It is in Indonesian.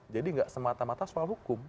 jadi enggak semata mata soal hukum